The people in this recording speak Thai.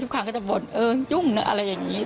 ครั้งก็จะบ่นเออยุ่งนะอะไรอย่างนี้